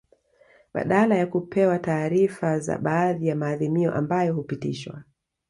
Badala ya kupewa taarifa za baadhi ya maadhimio ambayo hupitishwa